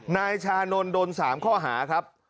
นายชานนท์โดน๓ข้อหาครับ